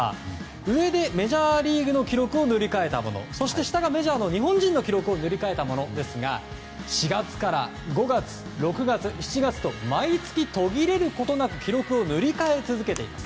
上がメジャーリーグの記録を塗り替えたもの下が日本人の記録を塗り替えたものですが４月から５月、６月７月と毎月、途切れることなく記録を塗り替えています。